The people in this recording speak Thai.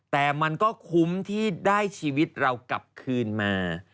แต่มันก็คุ้มที่ได้ชีวิตเรากลับคืนมา